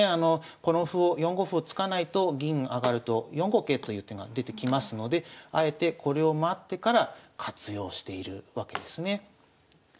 この歩を４五歩を突かないと銀上がると４五桂という手が出てきますのであえてこれを待ってから活用しているわけですね。